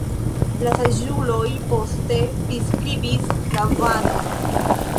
La saĝuloj poste priskribis Lavanon.